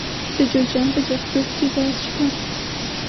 د جوزجان په جرقدوق کې ګاز شته.